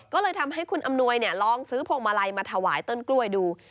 ก็เลยทำให้คุณอำนวยลองซื้อพวงมาลัยมาถวายต้นกล้วยดู